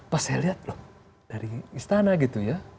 pas saya lihat loh dari istana gitu ya